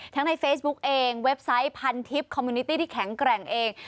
ในเฟซบุ๊กเองเว็บไซต์พันทิพย์คอมมิวนิตี้ที่แข็งแกร่งเอง